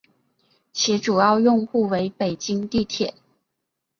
其主要用户为北京地铁。